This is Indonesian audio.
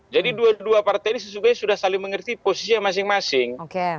jadi dua dua partai ini sesungguhnya sudah saling mengerti posisi masing masing